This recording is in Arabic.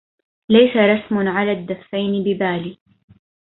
ليس رسم على الدفين ببالي